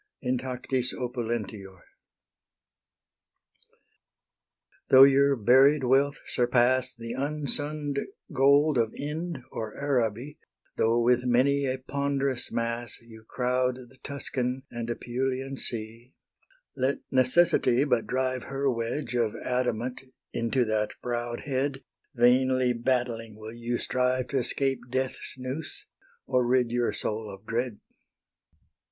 XXIV. INTACTIS OPULENTIOR. Though your buried wealth surpass The unsunn'd gold of Ind or Araby, Though with many a ponderous mass You crowd the Tuscan and Apulian sea, Let Necessity but drive Her wedge of adamant into that proud head, Vainly battling will you strive To 'scape Death's noose, or rid your soul of dread.